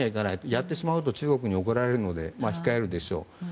やってしまうと中国に怒られるので控えるでしょう。